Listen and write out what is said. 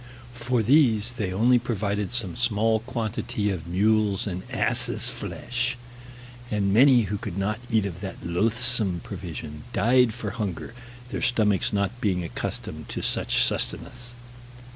For these they only provided some small quantity of mules' and asses' flesh; and many who could not eat of that loathsome provision died for hunger, their stomachs not being accustomed to such sustenance.